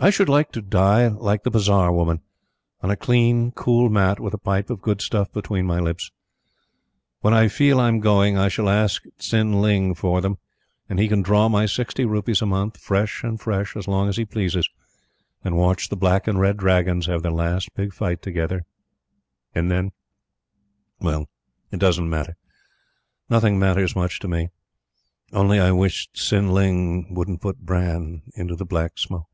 I should like to die like the bazar woman on a clean, cool mat with a pipe of good stuff between my lips. When I feel I'm going, I shall ask Tsin ling for them, and he can draw my sixty rupees a month, fresh and fresh, as long as he pleases, and watch the black and red dragons have their last big fight together; and then.... Well, it doesn't matter. Nothing matters much to me only I wished Tsin ling wouldn't put bran into the Black Smoke.